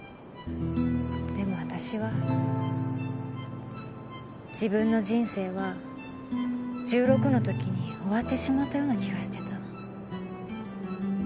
でも私は自分の人生は十六の時に終わってしまったような気がしてた。